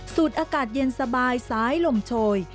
อากาศเย็นสบายสายลมโชย